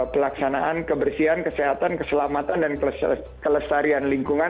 pelaksanaan kebersihan kesehatan keselamatan dan kelestarian lingkungan